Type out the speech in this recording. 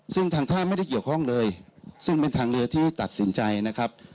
ซึ่งทางท่าไม่ได้เกี่ยวข้องเลยซึ่งเป็นทางเรือที่ตัดสินใจนะครับ